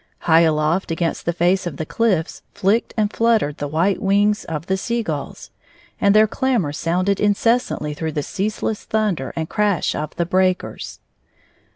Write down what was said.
High aloft against the face of the cUffs flicked and fluttered the white wings of the sea gulls, and their clamor sounded inces santly through the ceaseless thunder and crash of the breakers.